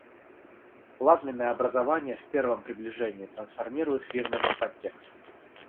Плазменное образование, в первом приближении, трансформирует фирменный подтекст.